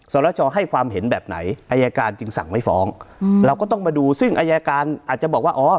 รชอให้ความเห็นแบบไหนอายการจึงสั่งไม่ฟ้องเราก็ต้องมาดูซึ่งอายการอาจจะบอกว่าอ๋อ